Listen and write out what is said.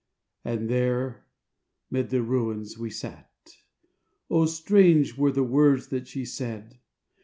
And there 'mid the ruins we sat. Oh, strange were the words that she said!